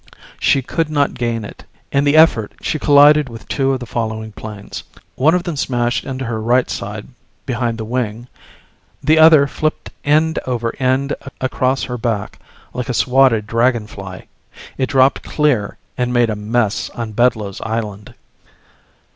She could not gain it. In the effort she collided with two of the following planes. One of them smashed into her right side behind the wing, the other flipped end over end across her back, like a swatted dragonfly. It dropped clear and made a mess on Bedloe's Island.